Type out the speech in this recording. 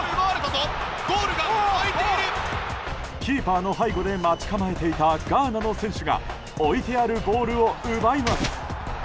キーパーの背後で待ち構えていたガーナの選手が置いてあるボールを奪います。